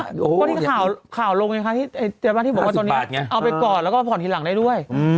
พูดถึงข่าวลงนะครับที่บอกว่าตัวนี้เอาไปก่อแล้วก็ผ่อนทีหลังได้ด้วย